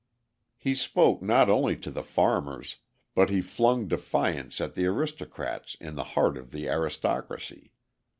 He spoke not only to the farmers, but he flung defiance at the aristocrats in the heart of the aristocracy.